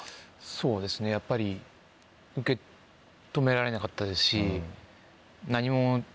そうですねやっぱり受け止められなかったですし。